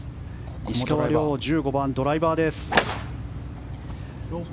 石川遼、１５番ドライバーです。